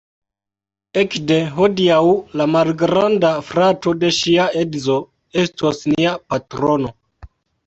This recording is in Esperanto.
Ekde hodiaŭ la malgranda frato de ŝia edzo estos nia patrono